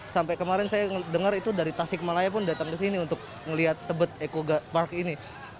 sampai kemarin saya dengar itu dari tasikmalaya pun datang ke sini untuk melihat tebet ecopark ini